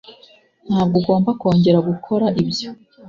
Ntabwo ugomba kongera gukora ibyo.